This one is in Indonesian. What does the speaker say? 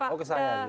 oh ke saya dulu ya